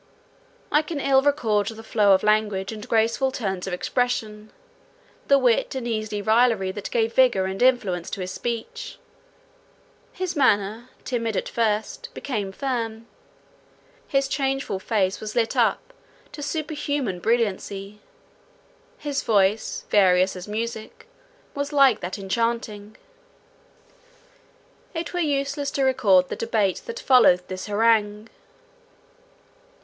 I can ill record the flow of language and graceful turns of expression, the wit and easy raillery that gave vigour and influence to his speech. His manner, timid at first, became firm—his changeful face was lit up to superhuman brilliancy; his voice, various as music, was like that enchanting. It were useless to record the debate that followed this harangue.